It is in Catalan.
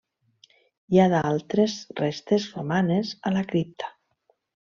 Hi ha d'altres restes romanes a la cripta.